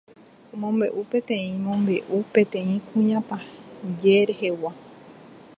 Omombe'u peteĩ mombe'u peteĩ kuñapaje rehegua